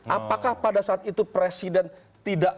apakah pada saat itu presiden tidak